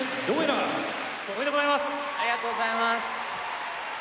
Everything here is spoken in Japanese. ありがとうございます。